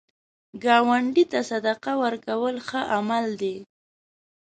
ګاونډي ته صدقه ورکول ښه عمل دی